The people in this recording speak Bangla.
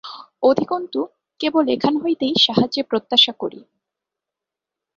অধিকন্তু কেবল এখান হইতেই সাহায্যের প্রত্যাশা করি।